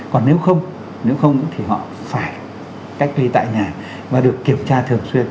còn nếu không nếu không thì họ phải cách ly tại nhà và được kiểm tra thường xuyên